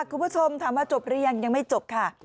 คุณผู้ชมถามว่าจบหรือยังยังไม่จบค่ะ